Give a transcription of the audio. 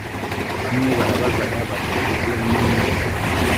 bamwe barabazanya bati uyu mi nde